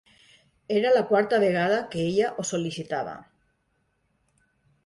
Era la quarta vegada que ella ho sol·licitava.